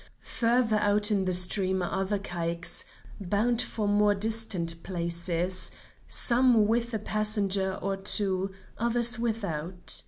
Further out in the stream are other caiques, bound for more distant places, some with a passenger or two, others without.